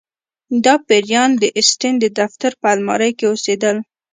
دا پیریان د اسټین د دفتر په المارۍ کې اوسیدل